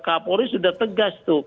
kapolri sudah tegas tuh